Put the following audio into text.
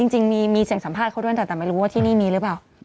จริงมีเสียงสัมภาษณ์เขาด้วยแต่ไม่รู้ว่าที่นี่มีหรือเปล่า